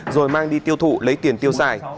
rồi mang đi tiêu thụ lấy tiền tiêu xài